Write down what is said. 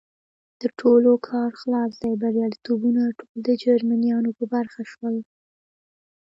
د ټولو کار خلاص دی، بریالیتوبونه ټول د جرمنیانو په برخه شول.